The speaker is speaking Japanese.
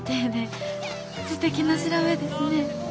すてきな調べですねえ。